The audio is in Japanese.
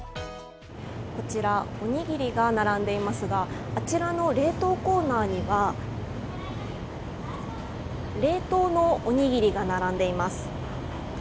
こちらおにぎりが並んでいますがあちらの冷凍コーナーには冷凍のおにぎりが並んでいます。